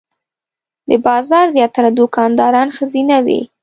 د بازار زیاتره دوکانداران ښځینه وې.